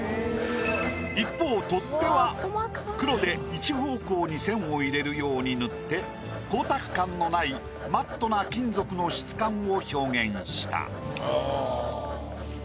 一方取っ手は黒で一方向に線を入れるように塗って光沢感のないマットな金属の質感を表現した。